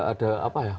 ada apa ya